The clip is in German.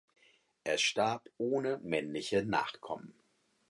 Er starb ohne männliche Nachkommen.